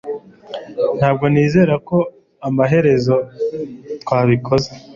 Ntabwo nizera ko amaherezo twabikoze